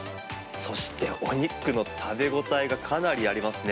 そしてお肉の食べ応えがかなりありますね。